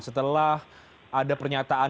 setelah ada pernyataan